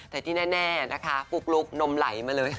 แต่ที่แน่นะคะปุ๊กลุ๊กนมไหลมาเลย